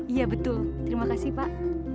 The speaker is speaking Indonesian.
iya betul terima kasih pak